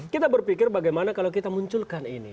kita berpikir bagaimana kalau kita munculkan ini